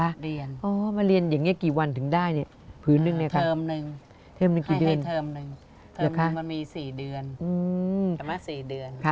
มาเรียนโอ้มาเรียนอย่างเงี้ยกี่วันถึงได้เนี่ยพื้นหนึ่งเนี่ยคะเทอมหนึ่งให้เทอมหนึ่งมันมีสี่เดือนสี่เดือน